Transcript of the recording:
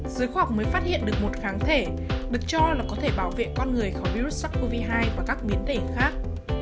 giới khoa học mới phát hiện được một kháng thể được cho là có thể bảo vệ con người khỏi virus sars cov hai và các biến thể khác